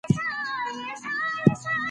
ابن خلدون ولي فیلسوف ګڼل کیږي؟